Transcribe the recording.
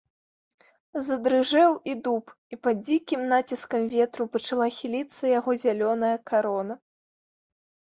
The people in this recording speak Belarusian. Задрыжэў і дуб, і пад дзікім націскам ветру пачала хіліцца яго зялёная карона.